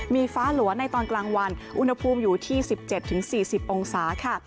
มีฟ้าหลัวในตอนกลางวันอุณหภูมิอยู่ที่๑๗๔๐องศาค่ะ